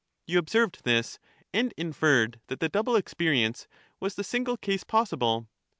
You observed this and inferred that the double experience was the single case possible.